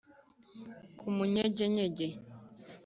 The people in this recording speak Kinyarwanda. ku munyegenyege